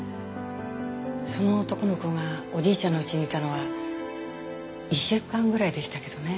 その男の子がおじいちゃんのうちにいたのは１週間ぐらいでしたけどね。